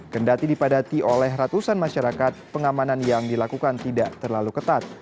kendati dipadati oleh ratusan masyarakat pengamanan yang dilakukan tidak terlalu ketat